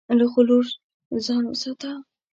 له غرور ځان وساته.